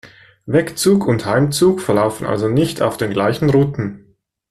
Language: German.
Wegzug und Heimzug verlaufen also nicht auf den gleichen Routen.